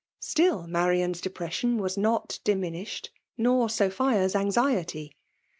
Still, Marian's depression was not diminished, nor Sophia's anxiety.